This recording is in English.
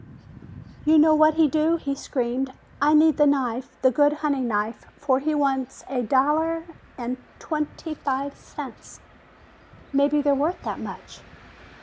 "You know what he do?" he screamed. "I need the knife, the good hunting knife! For it he wants a doll air and twenty five cents!" "Maybe they're worth that much."